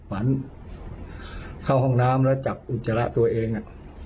ฝันเข้าห้องน้ำแล้วจับอุจจระตัวเองอ่ะ